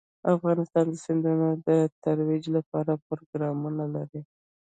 افغانستان د سیندونه د ترویج لپاره پروګرامونه لري.